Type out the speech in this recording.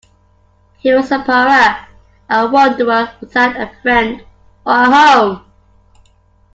He was a pariah; a wanderer without a friend or a home.